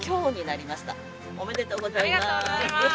ありがとうございます。